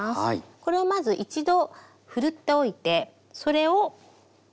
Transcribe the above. これをまず一度ふるっておいてそれを。